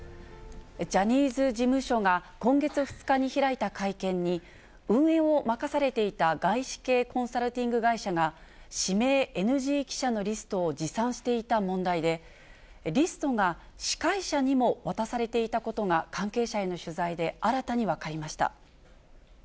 ジャニーズ事務所が今月２日に開いた会見に、運営を任されていた外資系コンサルティング会社が指名ＮＧ記者のリストを持参していた問題で、リストが司会者にも渡されていたことが、関係者への取材で新たに分かりました。